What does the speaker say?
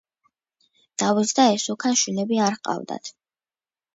დავითს და ესუქანს შვილები არ ჰყავდათ.